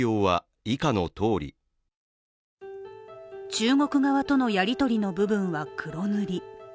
中国側とのやり取りの部分は黒塗り。